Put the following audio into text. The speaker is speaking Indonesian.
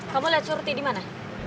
kamu liat surti dimana